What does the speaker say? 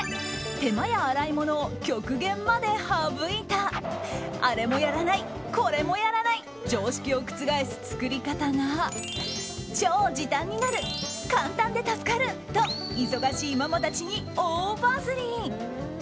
手間や洗い物を極限まで省いたあれもやらない、これもやらない常識を覆す作り方が超時短になる、簡単で助かると忙しいママたちに大バズり。